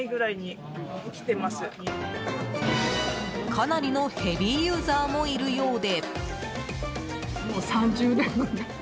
かなりのヘビーユーザーもいるようで。